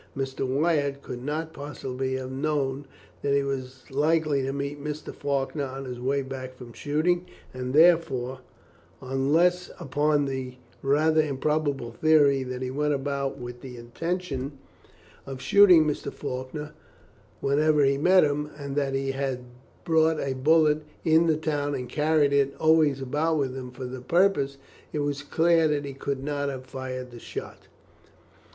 Mr. Wyatt could not possibly have known that he was likely to meet Mr. Faulkner on his way back from shooting, and therefore, unless upon the rather improbable theory that he went about with the intention of shooting Mr. Faulkner whenever he met him, and that he had bought a bullet in the town and carried it always about with him for the purpose, it was clear that he could not have fired that shot."